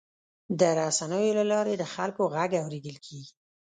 د رسنیو له لارې د خلکو غږ اورېدل کېږي.